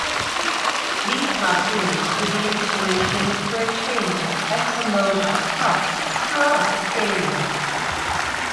These cartoons were the inspiration for a chain of Ettamogah Pubs throughout Australia.